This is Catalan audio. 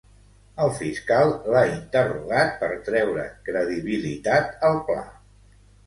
El fiscal l'ha interrogat per treure credibilitat al pla.